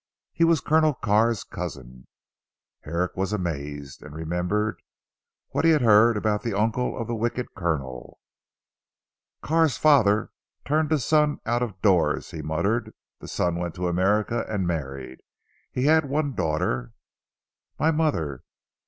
He was Colonel Carr's Cousin." Herrick was amazed, and remembered what he had heard about the uncle of the wicked Colonel. "Carr's father turned a son out of doors," he muttered "the son went to America and married. He had one daughter " "My mother.